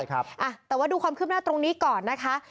แต่ว่าดูความคืบหน้าตรงนี้ก่อนนะคะ